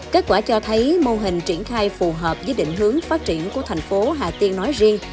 kết quả cho thấy mô hình triển khai phù hợp với định hướng phát triển của thành phố hà tiên nói riêng